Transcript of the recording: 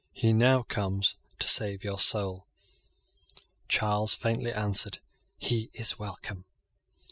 He now comes to save your soul." Charles faintly answered, "He is welcome."